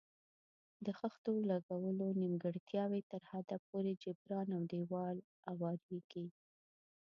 د خښتو لګولو نیمګړتیاوې تر حده پورې جبران او دېوال اواریږي.